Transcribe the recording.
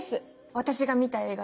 私が見た映画です！